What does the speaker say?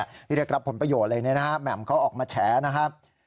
ที่เรียกรับผลประโยชน์เลยนะครับแหม่มเขาออกมาแฉนะครับ